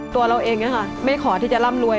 ตัวเราเองไม่ขอที่จะร่ำรวย